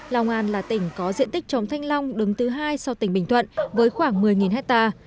long an là tỉnh có diện tích chống thanh long đứng thứ hai sau tỉnh bình thuận với khoảng một mươi hectare